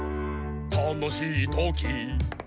「たのしいとき」